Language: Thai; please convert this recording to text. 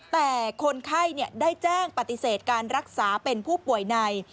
แต่คนไข้ได้แจ้งปฏิเสธการรักษาเป็นผู้ป่วยใน